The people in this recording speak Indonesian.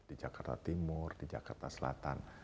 di jakarta timur di jakarta selatan